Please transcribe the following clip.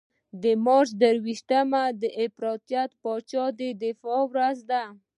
د مارچ درویشتمه د افراطي پاچا د دفاع ورځ ده.